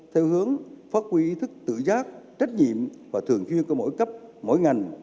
theo hướng phát huy ý thức tự giác trách nhiệm và thường chuyên của mỗi cấp mỗi ngành